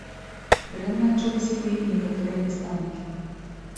Дрэнна адчулі сябе і некаторыя настаўнікі.